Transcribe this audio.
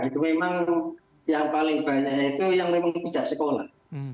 itu memang yang paling banyak itu yang memang tidak sekolah